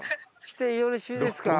してよろしいですか？